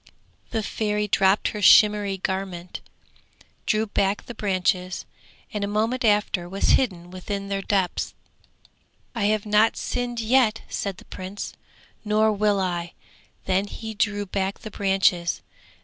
The Fairy dropped her shimmering garment, drew back the branches, and a moment after was hidden within their depths. 'I have not sinned yet!' said the Prince, 'nor will I'; then he drew back the branches.